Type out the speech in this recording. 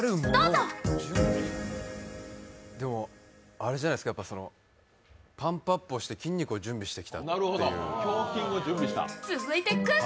あれじゃないですかパンプアップをして筋肉を準備してきたっていう。